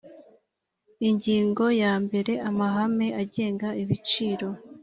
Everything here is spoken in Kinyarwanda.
ingingo yambere amahame agenga ibiciro